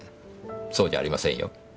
そうじゃありませんよ。